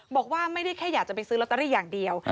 บอกว่าไม่ได้แค่อยากจะไปซื้อลอตเตอรี่อย่างเดียว